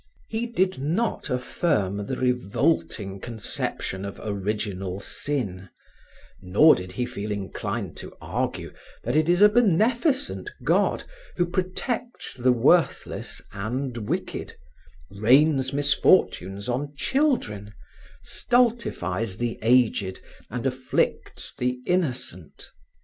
He did not affirm the revolting conception of original sin, nor did he feel inclined to argue that it is a beneficent God who protects the worthless and wicked, rains misfortunes on children, stultifies the aged and afflicts the innocent.